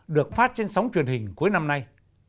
được phát trên sóng truyền hình cuối năm nay